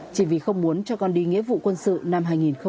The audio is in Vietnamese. chỉ vì không muốn cho con đi nghĩa vụ quân sự năm hai nghìn một mươi sáu